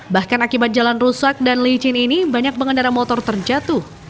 bahkan akibat jalan rusak dan licin ini banyak pengendara motor terjatuh